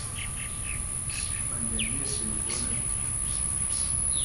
بند امیر بې اوبو نه دی.